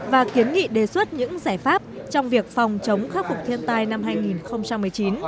và kiến nghị đề xuất những giải pháp trong việc phòng chống khắc phục thiên tai năm hai nghìn một mươi chín